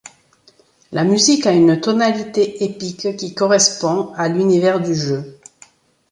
La musique a une tonalité épique qui correspond à l'univers du jeu.